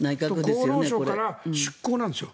厚労省からの出向なんですよ。